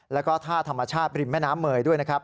แล้วก็ท่าธรรมชาติริมแม่น้ำเมย์ด้วยนะครับ